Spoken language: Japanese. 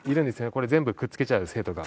これ全部くっ付けちゃう生徒が。